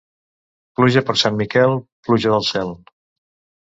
Pluja per Sant Miquel, pluja del cel.